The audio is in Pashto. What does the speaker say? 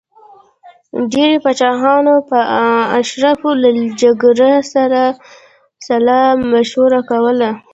ډېری پاچاهانو به د اشرافو له جرګې سره سلا مشوره کوله.